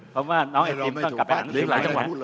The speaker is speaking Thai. เพราะว่าน้องไอติมต้องกลับไปอ่าน